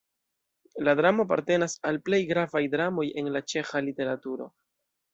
La dramo apartenas al plej gravaj dramoj en la ĉeĥa literaturo.